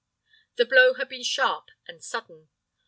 The blow had been sharp and sudden.